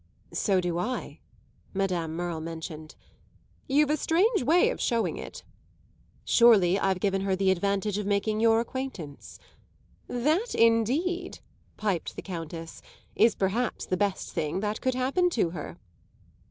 "So do I," Madame Merle mentioned. "You've a strange way of showing it." "Surely I've given her the advantage of making your acquaintance." "That indeed," piped the Countess, "is perhaps the best thing that could happen to her!"